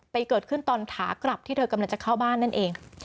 เกิดขึ้นตอนขากลับที่เธอกำลังจะเข้าบ้านนั่นเอง